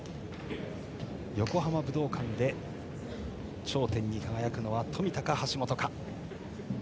横浜武道館で頂点に輝くのは冨田か橋本か。